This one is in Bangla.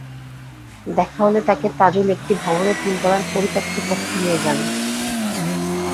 দেখা হলে তাকে তাজুল একটি ভবনের তিনতলার পরিত্যক্ত কক্ষে নিয়ে যান।